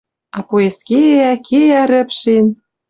А поезд кеӓ, кеӓ рӹпшен